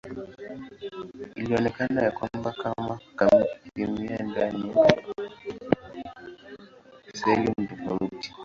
Ilionekana ya kwamba kemia ndani ya seli ni tofauti.